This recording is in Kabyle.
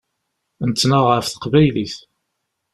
Nettnaɣ ɣef teqbaylit.